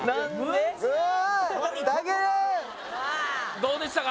どうでしたか？